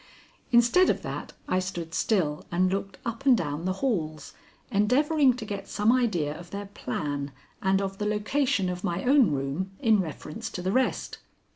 Instead of that, I stood still and looked up and down the halls, endeavoring to get some idea of their plan and of the location of my own room in reference to the rest.